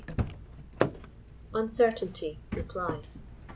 29 UNCERTAINTY. REPLY.